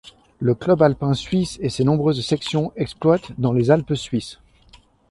Le Club alpin suisse et ses nombreuses sections exploitent dans les Alpes suisses.